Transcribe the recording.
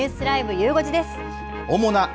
ゆう５時です。